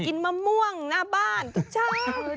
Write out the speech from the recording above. กินมะม่วงหน้าบ้านทุกเช้า